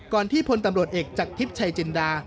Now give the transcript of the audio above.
ที่พลตำรวจเอกจากทิพย์ชัยจินดา